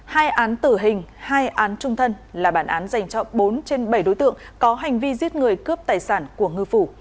hai án tử hình hai án trung thân là bản án dành cho bốn trên bảy đối tượng có hành vi giết người cướp tài sản của ngư phủ